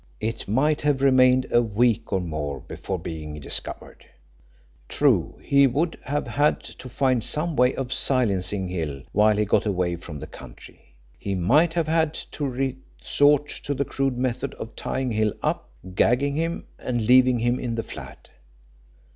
It might have remained a week or more before being discovered. True, he would have had to find some way of silencing Hill while he got away from the country. He might have had to resort to the crude method of tying Hill up, gagging him, and leaving him in the flat.